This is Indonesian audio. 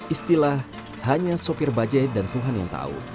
istilah hanya sopir bajai dan tuhan yang tahu